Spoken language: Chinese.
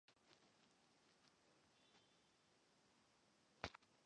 就操作空间有限的航舰人员来讲亦乐见环境简化操作机种的概念。